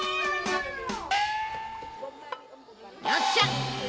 よっしゃ！